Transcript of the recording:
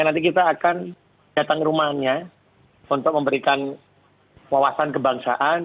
nanti kita akan datang rumahnya untuk memberikan wawasan kebangsaan